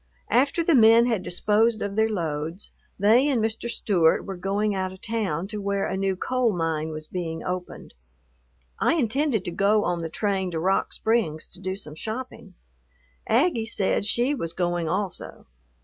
After the men had disposed of their loads, they and Mr. Stewart were going out of town to where a new coal mine was being opened. I intended to go on the train to Rock Springs to do some shopping. Aggie said she was going also.